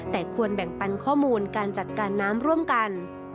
แต่ควรแบ่งปันข้อมูลการจัดการน้ำร่วมกัน